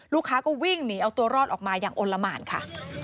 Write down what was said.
ลูกค้าก็วิ่งหนีเอาตัวรอดออกมาอย่างอลละหมานค่ะ